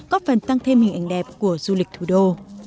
có phần tăng thêm hình ảnh đẹp của du lịch thủ đô